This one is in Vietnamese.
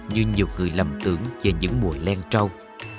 như nhiều người lầm tưởng về những mùa len trâu